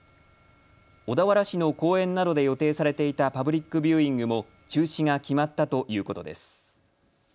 小田原市の公園などで予定されていたパブリックビューイングも中止が決まったということです。